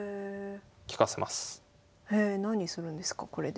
へえ何するんですかこれで。